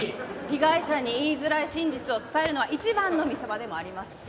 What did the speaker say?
被害者に言いづらい真実を伝えるのは一番の見せ場でもありますし。